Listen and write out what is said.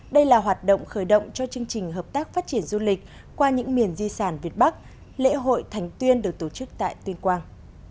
đây là hoạt động khởi động cho chương trình hợp tác phát triển du lịch qua những miền di sản việt bắc lễ hội thành tuyên được tổ chức tại tuyên quang